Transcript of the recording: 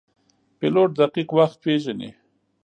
پیلوټ دقیق وخت پیژني.